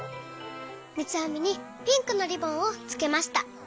みつあみにピンクのリボンをつけました。